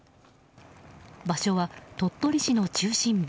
場所は鳥取市の中心部。